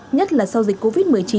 nhất là sau dịch covid một mươi chín